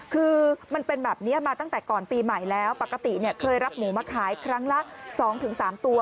คือมันเป็นแบบนี้มาตั้งแต่ก่อนปีใหม่แล้วปกติเคยรับหมูมาขายครั้งละ๒๓ตัว